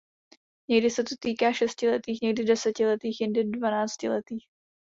Někdy se to týká šestiletých, někdy desetiletých, jindy dvanáctiletých.